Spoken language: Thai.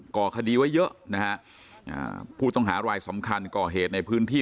ก่อคดีไว้เยอะนะฮะอ่าผู้ต้องหารายสำคัญก่อเหตุในพื้นที่